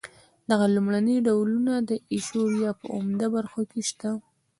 دغه لومړني ډولونه د ایروشیا په عمده برخو کې شته.